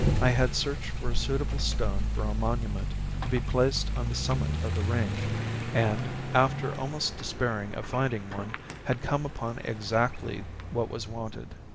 I had searched for a suitable stone for a monument to be placed on the summit of the range, and, after almost despairing of finding one, had come upon exactly what was wanted.